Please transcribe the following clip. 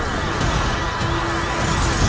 setelah kamu melihat aku